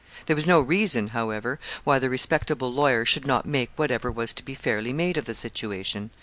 There was no reason, however, why the respectable lawyer should not make whatever was to be fairly made of the situation.